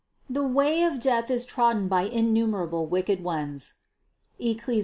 The way of death is trodden by innumerable wicked ones (Eccles.